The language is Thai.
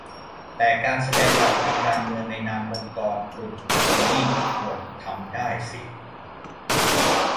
แต่การแสดงออกทางการเมืองในนามองค์กร-กลุ่มบุคคลนี่ควรทำได้สิ